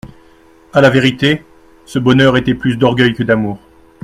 A la vérité, ce bonheur était plus d'orgueil que d'amour.